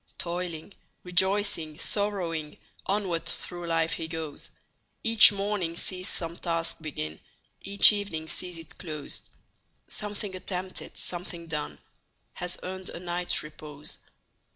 Toiling, rejoicing, sorrowing, Onward through life he goes; Each morning sees some task begin, Each evening sees it close; Something attempted, something done. Has earned a night's repose.